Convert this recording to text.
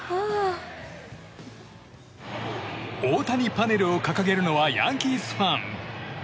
大谷パネルを掲げるのはヤンキースファン。